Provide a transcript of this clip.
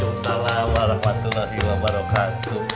assalamualaikum warahmatullahi wabarakatuh